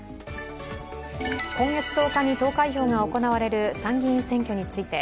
今月１０日に投開票が行われる参議院選挙について